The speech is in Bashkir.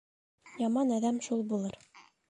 Яман әҙәм шул булыр: